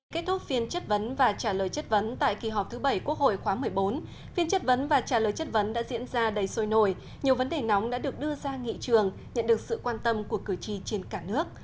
kết thúc phiên chất vấn và trả lời chất vấn tại kỳ họp thứ bảy quốc hội khóa một mươi bốn phiên chất vấn và trả lời chất vấn đã diễn ra đầy sôi nổi nhiều vấn đề nóng đã được đưa ra nghị trường nhận được sự quan tâm của cử tri trên cả nước